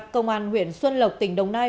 công an huyện xuân lộc tỉnh đồng nai